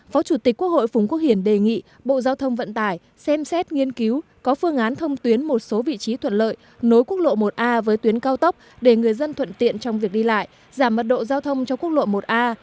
phó chủ tịch quốc hội phùng quốc hiển đề nghị bộ giao thông vận tải xem xét nghiên cứu có phương án thông tuyến một số vị trí thuận lợi nối quốc lộ một a với tuyến cao tốc để người dân thuận tiện trong việc đi lại giảm mất độ giao thông cho quốc lộ một a